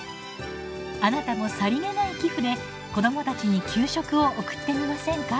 あなたもさりげない寄付で子どもたちに給食を送ってみませんか。